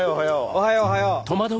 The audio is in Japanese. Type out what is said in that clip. おはようおはよう。